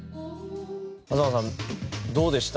東さんどうでした？